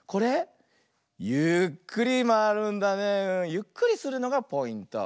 ゆっくりするのがポイント。